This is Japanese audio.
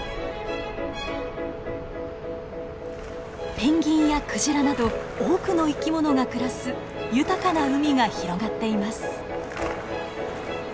ペンギンやクジラなど多くの生き物が暮らす豊かな海が広がっています。